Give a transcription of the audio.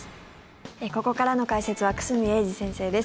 ここからの解説は久住英二先生です。